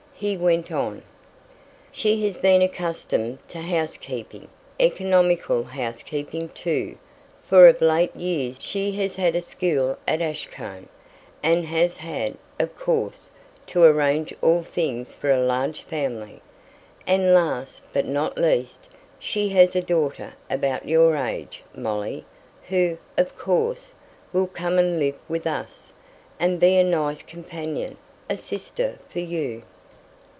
He went on, "She has been accustomed to housekeeping economical housekeeping, too for of late years she has had a school at Ashcombe, and has had, of course, to arrange all things for a large family. And last, but not least, she has a daughter about your age, Molly who, of course, will come and live with us, and be a nice companion a sister for you."